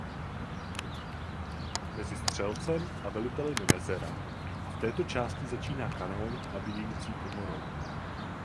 Mezi střelcem a velitelem je mezera a v této části začíná kanón nabíjecí komorou.